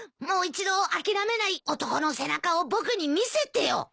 もう一度諦めない男の背中を僕に見せてよ。